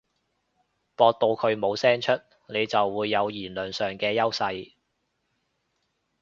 駁到佢冇聲出，你就會有言論上嘅優勢